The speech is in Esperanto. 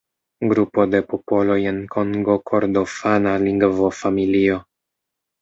Grupo de popoloj en Kongo-Kordofana lingvofamilio.